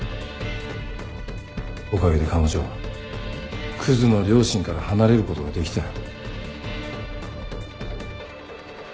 おかげで彼女はくずの両親から離れることができたよ。